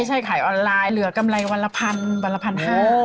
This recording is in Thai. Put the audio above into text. ใช่ขายออนไลน์เหลือกำไรวันละพันวันละ๑๕๐๐บาท